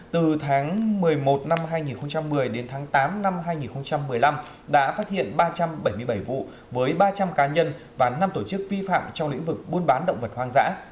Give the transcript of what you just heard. từ tháng một mươi một năm hai nghìn một mươi đến tháng tám năm hai nghìn một mươi năm đã phát hiện ba trăm bảy mươi bảy vụ với ba trăm linh cá nhân và năm tổ chức vi phạm trong lĩnh vực buôn bán động vật hoang dã